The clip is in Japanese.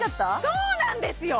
そうなんですよ！